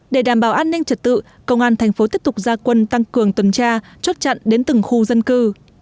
để đảm bảo an ninh trật tự công an thành phố tiếp tục ra quân tăng cường tuần tra chốt chặn đến từng khu dân cư